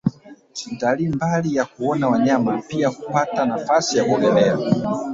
Mtalii mbali ya kuona wanyama pia huapata nafasi ya kuogelea